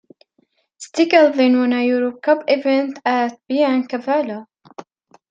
Steggall then won a Europa Cup event at Piancavallo.